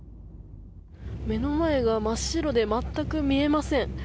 目の前が真っ白で全く見えません。